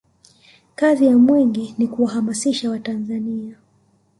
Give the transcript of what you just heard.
kazi ya mwenge ni kuwahamasisha watanzania